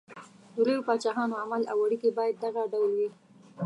د لویو پاچاهانو عمل او اړېکې باید دغه ډول وي.